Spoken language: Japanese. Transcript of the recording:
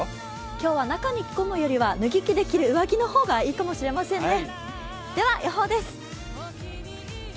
今日は中に着込むよりは脱ぎ着できる上着の方がいいかもしれませんね。